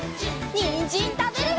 にんじんたべるよ！